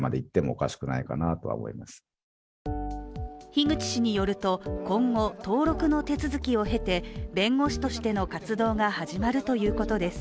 樋口氏によると、今後、登録の手続きを経て弁護士としての活動が始まるということです。